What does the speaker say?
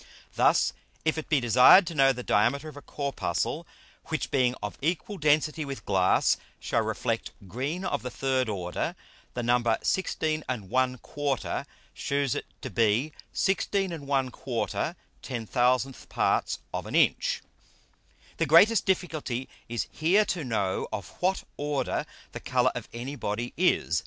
Thus if it be desired to know the diameter of a Corpuscle, which being of equal density with Glass shall reflect green of the third Order; the Number 16 1/4 shews it to be (16 1/4)/10000 parts of an Inch. The greatest difficulty is here to know of what Order the Colour of any Body is.